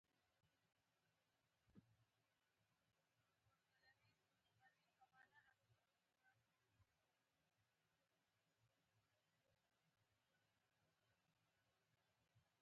وزیری، قریشي او همدرد و.